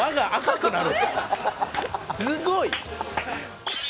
すごい！